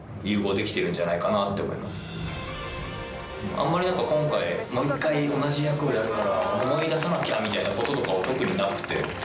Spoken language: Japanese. あんまり今回もう１回同じ役をやるから思い出さなきゃみたいなことも特になくて。